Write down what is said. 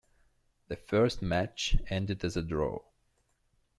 The first match ended as a draw.